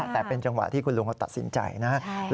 แต่เป็นจังหวะที่คุณลุงเขาตัดสินใจนะครับ